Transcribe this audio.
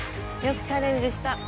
よくチャレンジした。